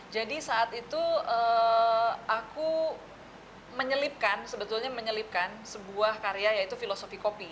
jadi saat itu aku menyelipkan sebetulnya menyelipkan sebuah karya yaitu filosofi kopi